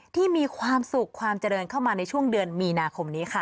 ที่มีความสุขความเจริญเข้ามาในช่วงเดือนมีนาคมนี้ค่ะ